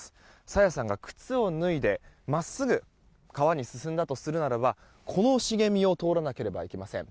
朝芽さんが靴を脱いで真っすぐ川に進んだとするならばこの茂みを通らなければいけません。